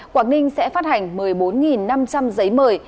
quảng ninh sẽ phát hành một mươi bốn năm trăm linh giấy mời